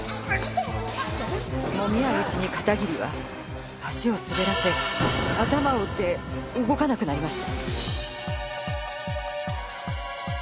もみ合ううちに片桐は足を滑らせ頭を打って動かなくなりました。